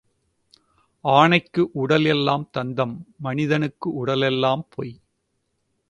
ஆனைக்கு உடல் எல்லாம் தந்தம் மனிதனுக்கு உடல் எல்லாம் பொய்.